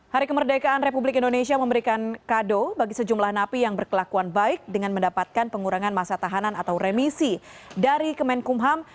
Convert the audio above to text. hari kemerdekaan republik indonesia memberikan kado bagi sejumlah napi yang berkelakuan baik dengan mendapatkan pengurangan masa tahanan atau remisi dari kemenkumham